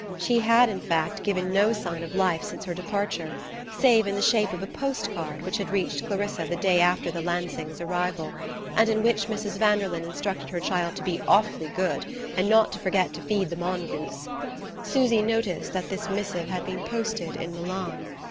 She had, in fact, given no sign of life since her departure, save in the shape of a post card which had reached Clarissa the day after the Lansings' arrival, and in which Mrs. Vanderlyn instructed her child to be awfully good, and not to forget to feed the mongoose. Susy noticed that this missive had been posted in Milan.